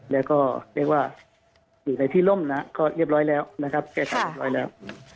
แล้วก็เรียกว่าอยู่ในที่ร่มนะก็เรียบร้อยแล้วนะครับแก้ไขเรียบร้อยแล้ว